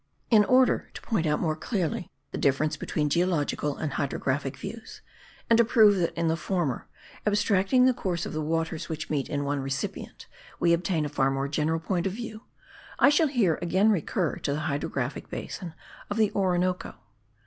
In order to point out more clearly the difference between geological and hydrographic views, and to prove that in the former, abstracting the course of the waters which meet in one recipient, we obtain a far more general point of view, I shall here again recur to the hydrographic basin of the Orinoco.